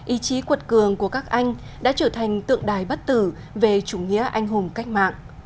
ý chí cuột cường của các anh đã trở thành tượng đài bắt tử về chủ nghĩa anh hùng cách mạng